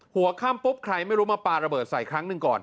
หัวค่ำปุ๊บใครไม่รู้มาปลาระเบิดใส่ครั้งหนึ่งก่อน